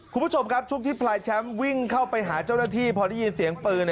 คุณผู้ชมครับช่วงที่พลายแชมป์วิ่งเข้าไปหาเจ้าหน้าที่พอได้ยินเสียงปืน